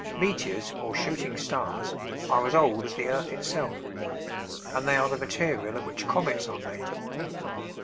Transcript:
Meteors or shooting stars are as old as the earth itself, and they are the material of which comets are made.